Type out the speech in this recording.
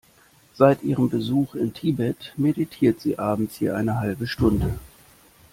Seit ihrem Besuch in Tibet meditiert sie abends je eine halbe Stunde.